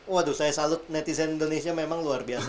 waduh saya salut netizen indonesia memang luar biasa